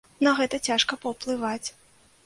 На гэта цяжка паўплываць.